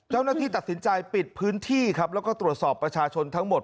เจ้าหน้าที่ตัดสินใจปิดพื้นที่ครับแล้วก็ตรวจสอบประชาชนทั้งหมด